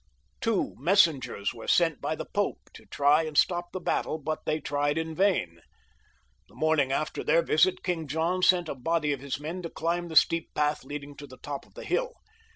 Two messengers were sent by the Pope to try and stop the battle; but they tried in vain. The morning after their visit King John sent a body of his men to climb the steep path leading to the top of the hill.